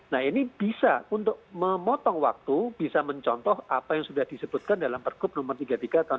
nah ini bisa untuk memotong waktu bisa mencontoh apa yang sudah disebutkan dalam pergub nomor tiga puluh tiga tahun dua ribu